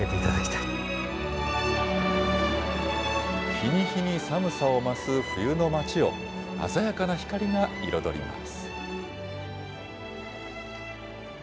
日に日に寒さを増す冬の街を、鮮やかな光が彩ります。